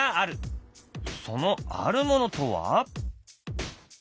そのあるものとは？